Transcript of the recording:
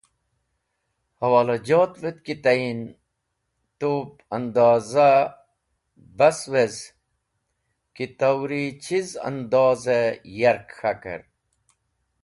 Hewolajotvẽt ki tayin tub ẽndozaẽ bas wez ki tori chiz andozẽ yark k̃hakẽr